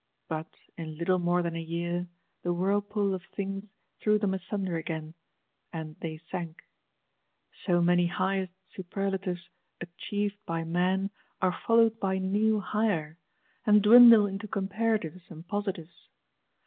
But in little more than a year, the whirlpool of things threw them asunder again, and they sank. So many highest superlatives achieved by man are followed by new higher; and dwindle into comparatives and positives!